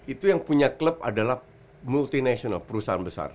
itu yang punya klub adalah multinational perusahaan besar